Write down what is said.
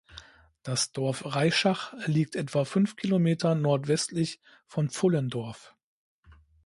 Das Dorf Reischach liegt etwa fünf Kilometer nordwestlich von Pfullendorf.